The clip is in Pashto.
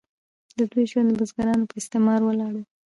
د دوی ژوند د بزګرانو په استثمار ولاړ و.